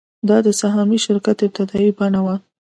دا د سهامي شرکت ابتدايي بڼه وه